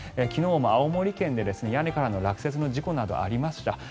昨日も青森県で屋根からの落雪の事故がありました。